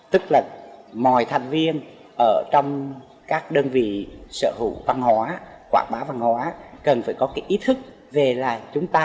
tức là mọi thành viên ở trong các đơn vị sở hữu văn hóa quảng bá văn hóa cần phải có cái ý thức về là chúng ta